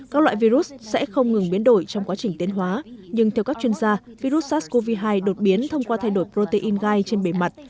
các loại virus sẽ không ngừng biến đổi trong quá trình tiến hóa nhưng theo các chuyên gia virus sars cov hai đột biến thông qua thay đổi protein gai trên bề mặt